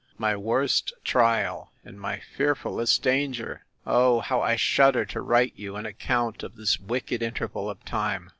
—My worst trial, and my fearfullest danger! O how I shudder to write you an account of this wicked interval of time!